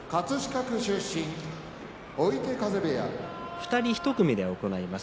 ２人１組で行います。